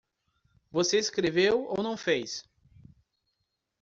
Você escreveu ou não fez?